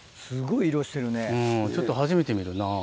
うんちょっと初めて見るな。